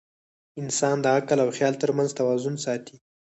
انسان د عقل او خیال تر منځ توازن ساتي.